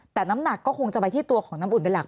แต่น้ำหนักก็คงจะไปที่ตัวของน้ำอุ่นเป็นหลัก